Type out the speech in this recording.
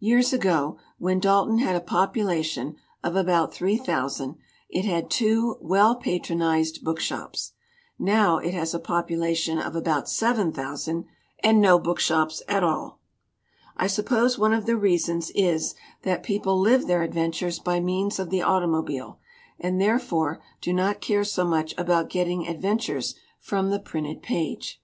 Years ago, when Dalton had a population of about three thousand, it had two well patronized bookshops. Now it has a popu lation of about seven thousand and no bookshops at all! "I suppose one of the reasons is that people live their adventures by means of the automobile, and therefore do not care so much about getting adventures from the printed page.